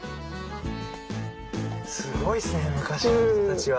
すごいですね昔の人たちは。